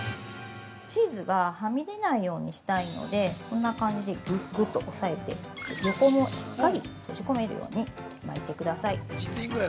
◆チーズがはみ出ないようにしたいので、こん今な感じぐっぐっと押さえて横もしっかり閉じ込めるように巻いてください。